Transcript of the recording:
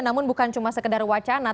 namun bukan cuma sekedar wacana